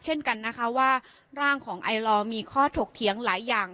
เช่นกันนะคะว่าร่างของไอลอร์มีข้อถกเถียงหลายอย่าง